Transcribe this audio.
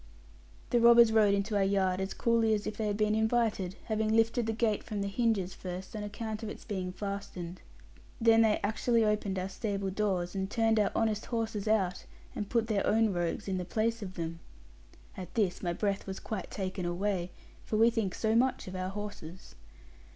The robbers rode into our yard as coolly as if they had been invited, having lifted the gate from the hinges first on account of its being fastened. Then they actually opened our stable doors, and turned our honest horses out, and put their own rogues in the place of them. At this my breath was quite taken away; for we think so much of our horses.